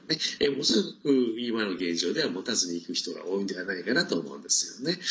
恐らく、今の現状では持たずに行く人が多いんではないかなと思うんですよね。